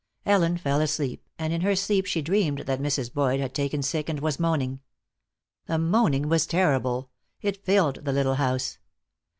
Ellen fell asleep, and in her sleep she dreamed that Mrs. Boyd had taken sick and was moaning. The moaning was terrible; it filled the little house.